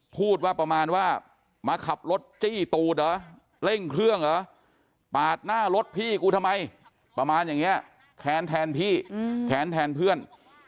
พูดว่าประมาณว่ามาขับรถจี้ตูดเหรอเร่งเครื่องเหรอปาดหน้ารถพี่กูทำไมประมาณอย่างนี้แค้นแทนพี่แค้นแทนเพื่อน